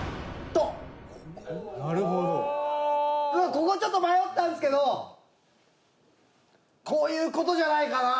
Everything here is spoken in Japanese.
ここちょっと迷ったんですけどこういう事じゃないかな？